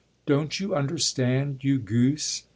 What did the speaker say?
"Don't you understand, you goose?"